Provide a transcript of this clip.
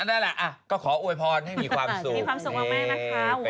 นั่นแหละก็ขออวยพรให้มีความสุขมีความสุขมากนะคะ